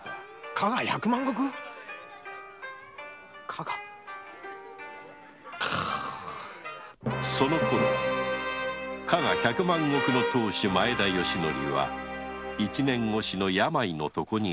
加賀百万石⁉そのころ加賀百万石の当主・前田吉徳は一年越しの病の床にあった